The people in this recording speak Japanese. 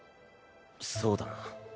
そうだな。